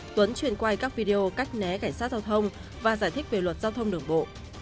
tuấn truyền quay các video cách né cảnh sát giao thông và giải thích về luật giao thông đường bộ